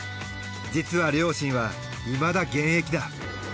実は両親はいまだ現役だ。